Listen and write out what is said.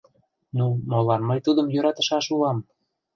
Ну, молан мый тудым йӧратышаш улам?